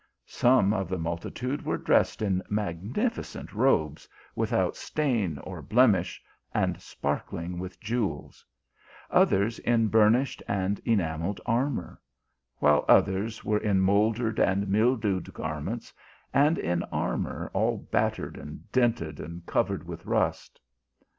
Some of the multitude were dressed in magnificent robes, without stain or blem ish, and sparkling with jewels ; others in burnished and? enamelled armour; while others were in moul dered and mildewed garments, and in armour all battered and dinted, and covered with rust.